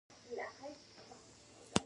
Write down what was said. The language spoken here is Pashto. د کابل په ځای کندهار ته لاړ شه